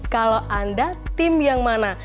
kalau anda tim yang mana